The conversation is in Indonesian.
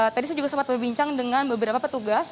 tadi saya juga sempat berbincang dengan beberapa petugas